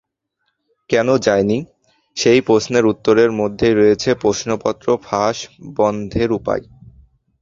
কেন যায়নি, সেই প্রশ্নের উত্তরের মধ্যেই রয়েছে প্রশ্নপত্র ফাঁস বন্ধের উপায়।